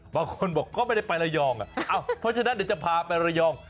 บางคนบอกก็ไม่ได้ไประยองเพราะฉะนั้นเดี๋ยวจะพาไประยอง